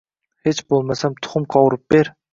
Hech boʻlmasam tuxum qovurib ber